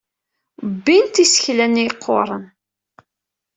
Bbint isekla-nni yeqquren.